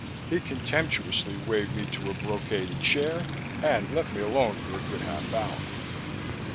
He contemptuously waved me to a brocaded chair, and left me alone for a good half hour.